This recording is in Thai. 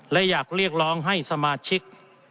และอยากเรียกร้องให้สมาชิก